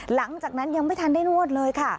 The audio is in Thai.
หลังจากนั้นยังไม่ทันได้นวดเลยค่ะ